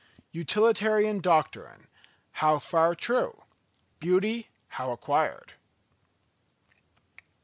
_Utilitarian Doctrine, how far true: Beauty, how acquired.